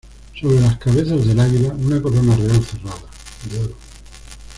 Sobre las cabezas del águila, una corona real cerrada, de oro.